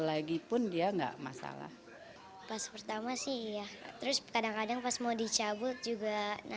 agar dia bisa berjaga